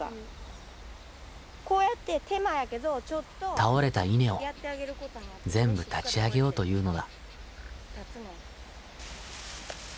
倒れた稲を全部立ち上げようというのだ。